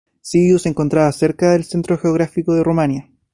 Sibiu se encuentra cerca del centro geográfico de Rumania.